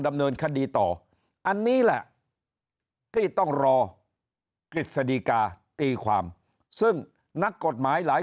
ดำเนินคดีต่ออันนี้แหละที่ต้องรอกฤษฎีกาตีความซึ่งนักกฎหมายหลาย